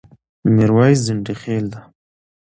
ميرويس ځنډيخيل ډه